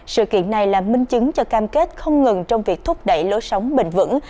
sự kiện này là minh chứng cho cam kết không ngừng trong việc thúc đẩy lối sống bình vững